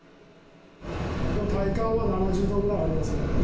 体感は７０度ぐらいありますよね。